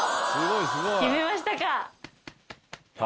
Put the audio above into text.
決めましたか。